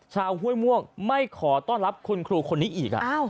ห้วยม่วงไม่ขอต้อนรับคุณครูคนนี้อีก